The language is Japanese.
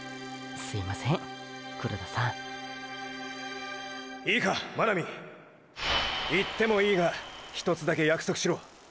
すいません黒田さんいいか真波行ってもいいがひとつだけ約束しろ。